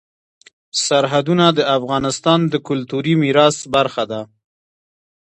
سرحدونه د افغانستان د کلتوري میراث برخه ده.